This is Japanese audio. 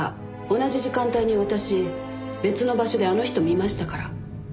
同じ時間帯に私別の場所であの人を見ましたから。